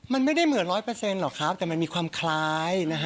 อ๋อมันไม่ได้เหมือนร้อยเปอร์เซ็นต์หรอกครับแต่มันมีความคล้ายนะฮะ